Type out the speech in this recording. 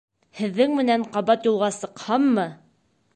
Һеҙҙең менән ҡабат юлға сыҡһаммы?